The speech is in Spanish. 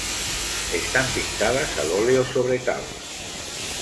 Están pintadas al óleo sobre tabla.